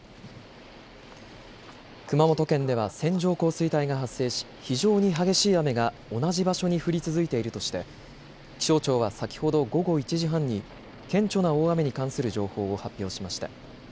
熊本県では線状降水帯が発生し非常に激しい雨が同じ場所に降り続いているとして気象庁は先ほど午後１時半に顕著な大雨に関する情報を発表しました。